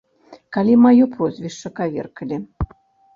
Калі маё прозвішча каверкалі.